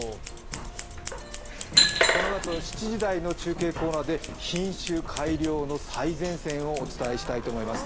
このあと７時台の中継コーナーで品種改良の最前線をお伝えしたいと思います。